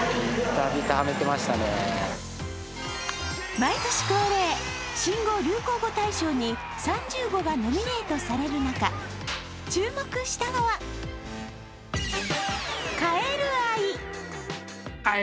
毎年恒例、新語・流行語大賞に３０語がノミネートされる中注目したのは、カエル愛。